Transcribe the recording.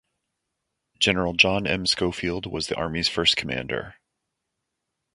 General John M. Schofield was the army's first commander.